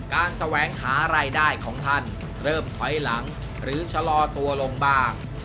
แสวงหารายได้ของท่านเริ่มถอยหลังหรือชะลอตัวลงบ้าง